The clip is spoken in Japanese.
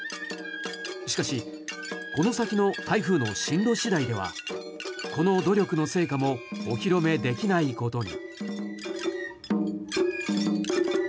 しかしこの先の台風の進路次第ではこの努力の成果もお披露目できないことに。